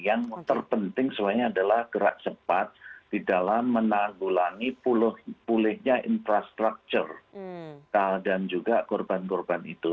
yang terpenting semuanya adalah gerak cepat di dalam menanggulangi pulihnya infrastruktur dan juga korban korban itu